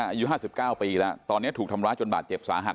อายุห้าสิบเก้าปีแล้วตอนเนี้ยถูกทำร้าจนบาดเจ็บสาหัส